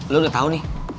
lo udah tau nih